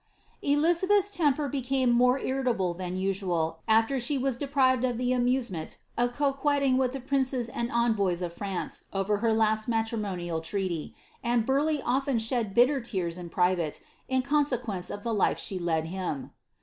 Elizabeth's temper became more irritable than usual, after she was de prived of the amusement of coquetting with the princes and envoys of France over her last matrimonial treaty, and Burleigh often shed bitter tears in private, in consequence of the life she led him.